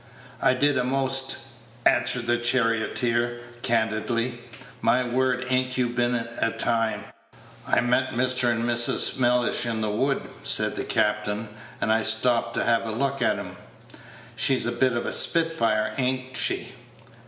"I did a'most," answered the charioteer, candidly. "My word, a'n't you been a time!" "I met Mr. and Mrs. Mellish in the wood," said the captain, "and I stopped to have a look at 'em. She's a bit of a spitfire, a'n't she?"